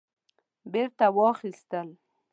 بیرته واخیستل